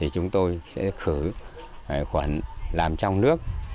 chúng tôi sẽ khử khuẩn làm trong nước